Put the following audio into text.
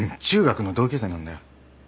中学の同級生なんだよ。